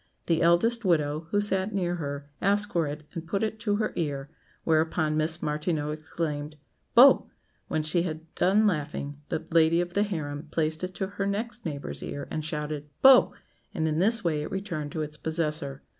The eldest widow, who sat near her, asked for it and put it to her ear; whereupon Miss Martineau exclaimed, "Bo!" When she had done laughing, the lady of the harem placed it to her next neighbour's ear, and shouted "Bo!" and in this way it returned to its possessor.